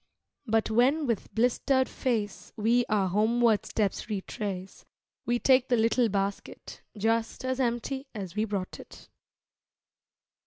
But when with blistered face, we our homeward steps retrace, We take the little basket just as empty as we brought it.